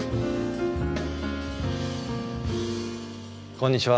こんにちは。